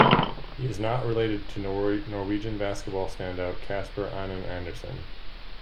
He is not related to Norwegian basketball standout Kasper Aunan Andersen.